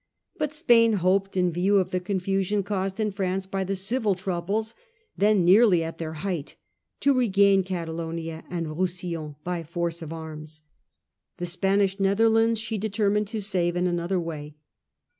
But Spain hoped, in view of the confusion caused in France by the civil troubles, then nearly at their height, to regain Catalonia and Roussillon by force of arms. The Spanish Netherlands she deter mined to save in another way.